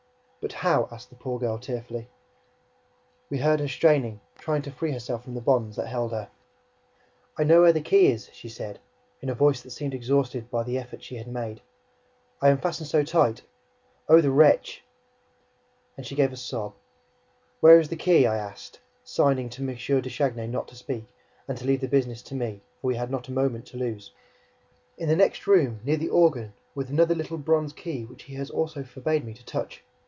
"But how?" asked the poor girl tearfully. We heard her straining, trying to free herself from the bonds that held her. "I know where the key is," she said, in a voice that seemed exhausted by the effort she had made. "But I am fastened so tight ... Oh, the wretch!" And she gave a sob. "Where is the key?" I asked, signing to M. de Chagny not to speak and to leave the business to me, for we had not a moment to lose. "In the next room, near the organ, with another little bronze key, which he also forbade me to touch.